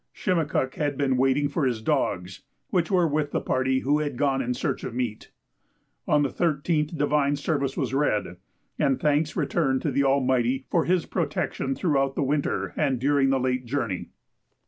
Shimakuk had been waiting for his dogs, which were with the party who had gone in search of meat. On the 13th divine service was read, and thanks returned to the Almighty for His protection throughout the winter and during the late journey.